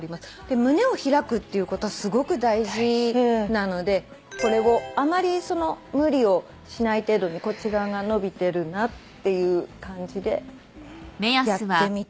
胸を開くっていうことはすごく大事なのでこれをあまり無理をしない程度にこっち側が伸びてるなっていう感じでやってみてください。